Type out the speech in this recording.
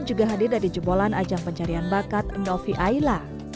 juga hadir dari jebolan ajang pencarian bakat novi aila